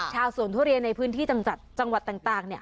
ชาวสวนทุเรียนในพื้นที่จังหวัดต่าง